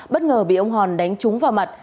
bất ngờ bị ông hòn đánh trúng vào mặt